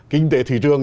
kinh tế thị trường